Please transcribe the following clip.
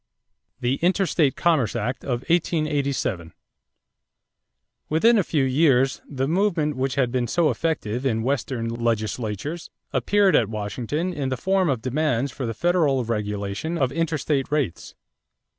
=The Interstate Commerce Act of 1887.= Within a few years, the movement which had been so effective in western legislatures appeared at Washington in the form of demands for the federal regulation of interstate rates.